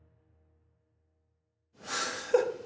フフフ。